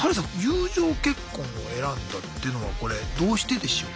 友情結婚を選んだっていうのはこれどうしてでしょう？